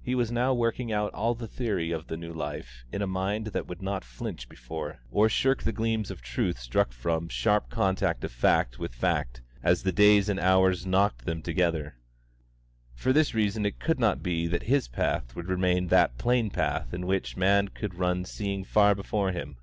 He was now working out all the theory of the new life in a mind that would not flinch before, or shirk the gleams of truth struck from, sharp contact of fact with fact as the days and hours knocked them together. For this reason it could not be that his path would remain that plain path in which a man could run seeing far before him.